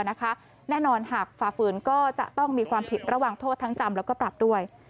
แน่นอนหากฝ่าฝืนก็จะต้องมีความผิดระหว่างโทษทั้งจำแล้วก็ปรับด้วย